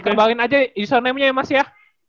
dikembarin aja usernamenya ya mas ya